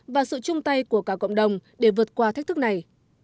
và sự chung tay của cả cộng đồng để vượt qua thách thức này